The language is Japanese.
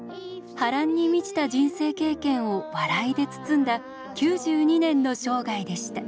波乱に満ちた人生経験を笑いで包んだ９２年の生涯でした。